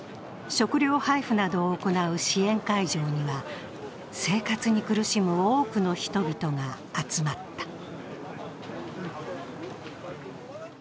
食料配布などを行う支援会場には生活に苦しむ多くの人々が集まった。